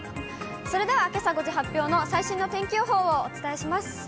それではけさ５時発表の最新の天気予報をお伝えします。